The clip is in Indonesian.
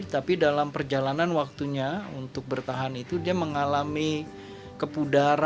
tapi dalam perjalanan waktunya untuk bertahan itu dia mengalami kepudaran